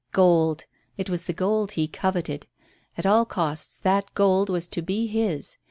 Gold! It was the gold he coveted. At all costs that gold was to be his.